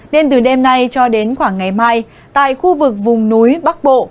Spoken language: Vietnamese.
nên từ đêm nay cho đến khoảng ngày mai tại khu vực vùng núi bắc bộ